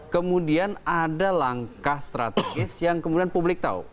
kemudian ada langkah strategis yang kemudian publik tahu